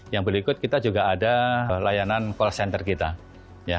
yang berikut kita juga ada layanan call center kita